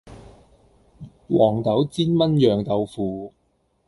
黃豆煎燜釀豆腐